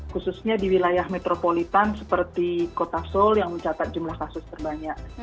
khususnya di wilayah metropolitan seperti kota seoul yang mencatat jumlah kasus terbanyak